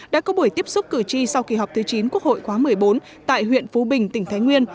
đã có buổi tiếp xúc cử tri sau kỳ họp thứ chín quốc hội khóa một mươi bốn tại huyện phú bình tỉnh thái nguyên